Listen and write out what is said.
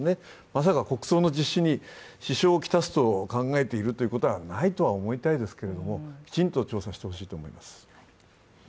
まさか国葬の実施に支障を来すと考えているということはないとは思いたいけれども、きちんと調査してほしいと思います。